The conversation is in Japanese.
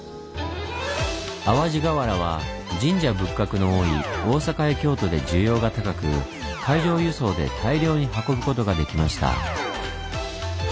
淡路瓦は神社仏閣の多い大阪や京都で需要が高く海上輸送で大量に運ぶことができました。